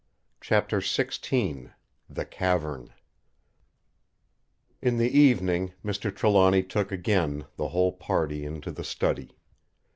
Chapter XVI The Cavern In the evening Mr. Trelawny took again the whole party into the study.